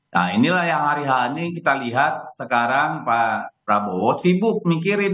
nah inilah yang hari hari kita lihat sekarang pak prabowo sibuk mikirin